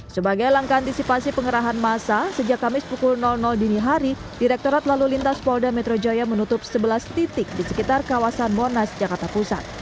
sebagai langkah antisipasi pengerahan masa sejak kamis pukul dini hari direktorat lalu lintas polda metro jaya menutup sebelas titik di sekitar kawasan monas jakarta pusat